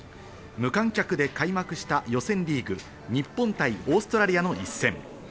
無観客で開幕した予選リーグ、日本対オーストラリアの一戦。